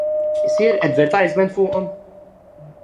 Isir advertisement fuqhom?